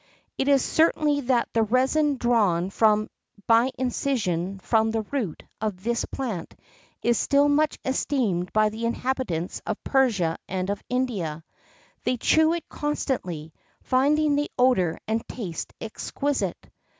[X 48] It is certain that the resin drawn by incision from the root of this plant is still much esteemed by the inhabitants of Persia and of India; they chew it constantly, finding the odour and taste exquisite.